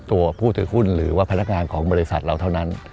ตัวผู้ถือหุ้นหรือว่าพนักงานของบริษัทเราเท่านั้น